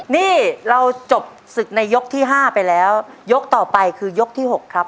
นี่เราจบศึกในยกที่๕ไปแล้วยกต่อไปคือยกที่๖ครับ